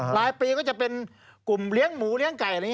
รายปีก็จะเป็นกลุ่มเลี้ยงหมูเลี้ยงไก่อะไรอย่างนี้